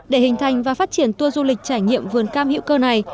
để hình thành và phát triển tour du lịch trải nghiệm vườn cam hiệu cơ này